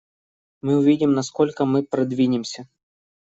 Мы увидим, насколько мы продвинемся.